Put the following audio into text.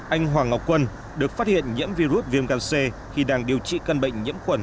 anh hoàng ngọc quân được phát hiện nhiễm virus viêm gan c khi đang điều trị căn bệnh nhiễm khuẩn